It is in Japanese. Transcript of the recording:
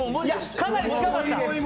かなり近かった。